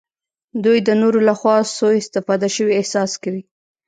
دوی د نورو لخوا سوء استفاده شوي احساس کوي.